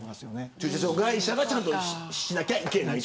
駐車場会社がちゃんとしなきゃいけない。